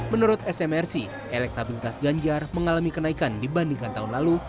menurut smrc elektabilitas ganjar mengalami kenaikan dibandingkan tahun lalu